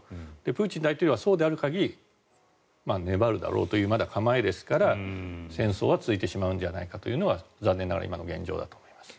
プーチン大統領はそうである限り粘るだろうという構えですから戦争は続いてしまうんじゃないかというのが残念ながら今の現状だと思います。